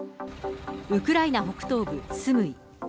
ウクライナ北東部スムイ。